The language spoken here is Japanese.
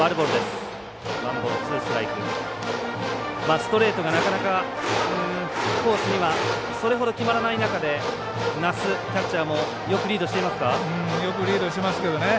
ストレートがなかなかコースにはそれほど決まらない中で奈須、キャッチャーもよくリードしてますけどね。